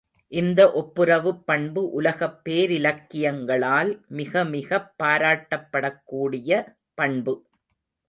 இந்த ஒப்புரவுப் பண்பு உலகப் பேரிலக்கியங்களால் மிகமிகப் பாராட்டப்படக்கூடிய பண்பு.